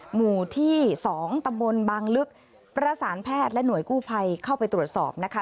หมู่ที่๒ตำบลบางลึกประสานแพทย์และหน่วยกู้ภัยเข้าไปตรวจสอบนะคะ